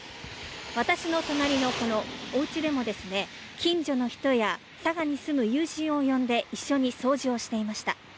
私の隣のこのおうちでも近所の人や佐賀に住む友人を呼んで一緒に掃除をしていました。